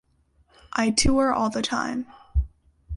I tour all the time.